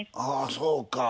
そうか。